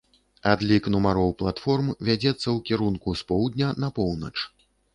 Адлік нумароў платформ вядзецца ў кірунку з поўдня на поўнач.